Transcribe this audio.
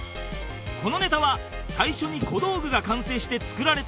このネタは最初に小道具が完成して作られたコント